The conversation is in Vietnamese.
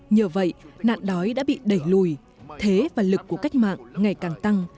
nhờ vậy nạn đói đã bị đẩy lùi thế và lực của cách mạng ngày càng tăng